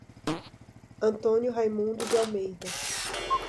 Antônio Raimundo de Almeida